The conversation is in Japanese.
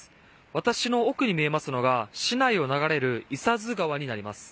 私の奥に見えますのが市内を流れる伊佐津川になります。